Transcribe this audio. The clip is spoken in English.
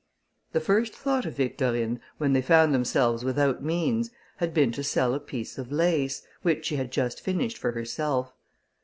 The first thought of Victorine, when they found themselves without means, had been to sell a piece of lace, which she had just finished for herself.